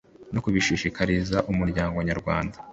no kubishishikariza umuryango nyarwanda